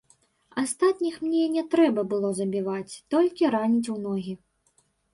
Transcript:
Астатніх мне не трэба было забіваць, толькі раніць ў ногі.